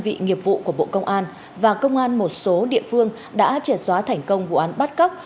vị nghiệp vụ của bộ công an và công an một số địa phương đã trẻ xóa thành công vụ án bắt cóc